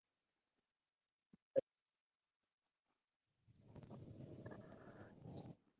A continuación se enumeran las diferencias entre ambos sistemas.